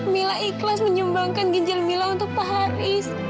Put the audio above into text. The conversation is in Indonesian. mila ikhlas menyumbangkan ginjal mila untuk pak haris